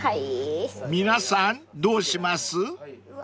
［皆さんどうします？］